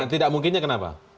tidak mungkinnya kenapa